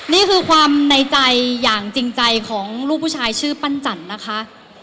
นี่คือความในใจอย่างจริงใจของลูกผู้ชายชื่อปั้นจันทร์นะคะ